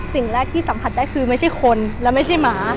สิ่งแรกที่สัมผัสได้คือไม่ใช่คนและไม่ใช่หมา